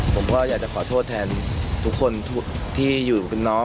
ผมก็อยากจะขอโทษแทนทุกคนที่อยู่เป็นน้อง